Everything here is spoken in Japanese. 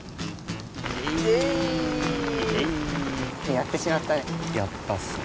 やってしまったね！